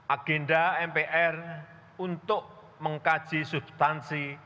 agenda mpr untuk mengkaji substansi